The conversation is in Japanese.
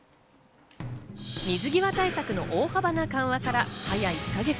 水際対策の大幅な緩和から早１か月。